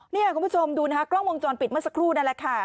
นี่คุณผู้ชมดูนะคะกล้องวงจรปิดเมื่อสักครู่นั่นแหละค่ะ